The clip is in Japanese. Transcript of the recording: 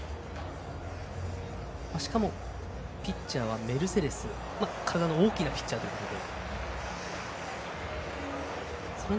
しかもピッチャーはメルセデス体の大きなピッチャーということで。